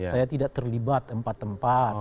saya tidak terlibat empat tempat